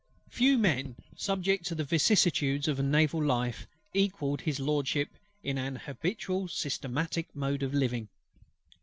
Few men subject to the vicissitudes of a naval life, equalled HIS LORDSHIP in an habitual systematic mode of living.